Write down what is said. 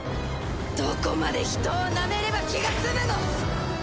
どこまで人をなめれば気が済むの！？